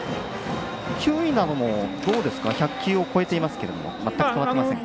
球威なども１００球を超えていますが全く変わっていませんか？